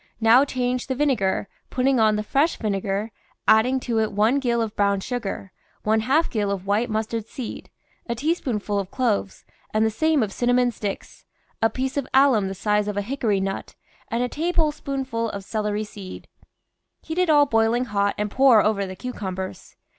Now change the vinegar, put ting on the fresh vinegar, adding to it one gill of brown sugar, one half gill of white mustard seed, a teaspoonful of cloves, and the same of cinnamon sticks, a piece of alum the size of a hickory nut, and a tablespoonful of celery seed; heat it all boiling hot and pour over the cucumbers.